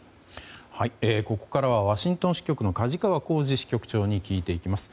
ここからはワシントン支局の梶川幸司支局長に聞いていきます。